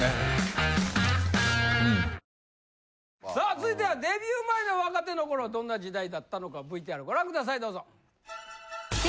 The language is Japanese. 続いてはデビュー前の若手の頃どんな時代だったのかＶＴＲご覧くださいどうぞ！